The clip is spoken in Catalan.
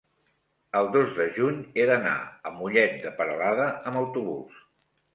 el dos de juny he d'anar a Mollet de Peralada amb autobús.